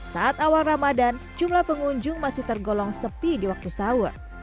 saat awal ramadan jumlah pengunjung masih tergolong sepi di waktu sahur